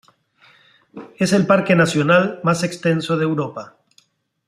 Es el parque nacional más extenso de Europa.